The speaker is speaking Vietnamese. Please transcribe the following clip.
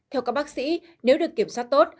theo các bác sĩ nếu được kiểm soát tốt